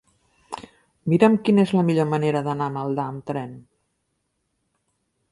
Mira'm quina és la millor manera d'anar a Maldà amb tren.